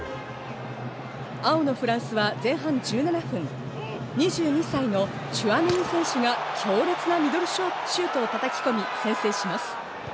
青のフランスは前半１７分、２２歳のチュアメニ選手が強烈なミドルシュートを叩き込み先制します。